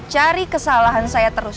cari kesalahan saya terus